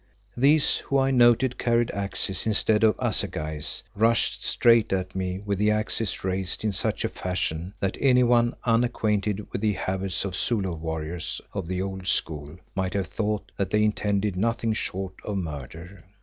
These, who I noted carried axes instead of assegais, rushed straight at me with the axes raised in such a fashion that anyone unacquainted with the habits of Zulu warriors of the old school, might have thought that they intended nothing short of murder.